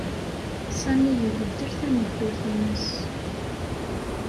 Sami ibeddel tameddurt-nnes.